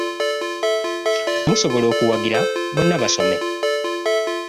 Musobola okuwagira `Bonna Basome'